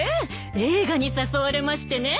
映画に誘われましてね。